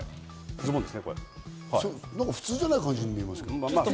なんか普通じゃない感じに見えますけど。